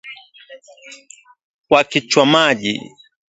wa Kichwamaji